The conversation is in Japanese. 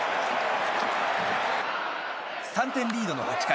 ３点リードの８回。